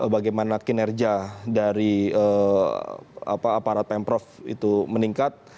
bagaimana kinerja dari aparat pemprov itu meningkat